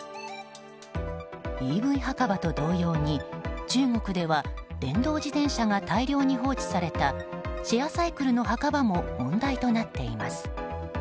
ＥＶ墓場と同様に、中国では電動自転車が大量に放置されたシェアサイクルの墓場も問題となっています。